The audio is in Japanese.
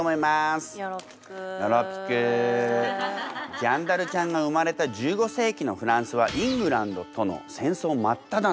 ジャンダルちゃんが生まれた１５世紀のフランスはイングランドとの戦争真っただ中。